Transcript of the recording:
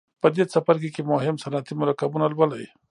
په دې څپرکي کې مهم صنعتي مرکبونه لولئ.